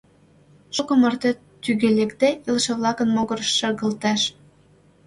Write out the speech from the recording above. Шуко марте тӱгӧ лекде илыше-влакын могырышт шергылтеш.